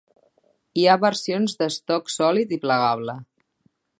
Hi ha versions d'estoc sòlid i plegable.